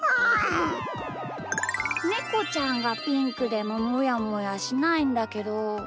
ネコちゃんがピンクでももやもやしないんだけど。